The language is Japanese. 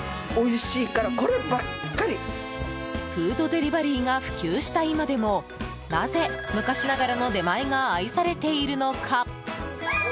フードデリバリーが普及した今でもなぜ昔ながらの出前が愛されているのか。